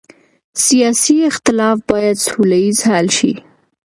سیاسي اختلاف باید سوله ییز حل شي